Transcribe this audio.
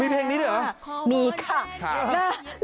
มีเพลงนี้เหรอ